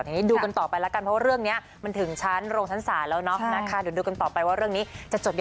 ฉะนั้นถ้าวันนี้เจ้าของแบรนด์ยังบอกว่าการออกมาสัมภาษณ์เป็นเรื่องไม่เด็ดเผื่อย